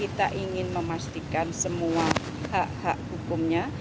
kita ingin memastikan semua hak hak hukumnya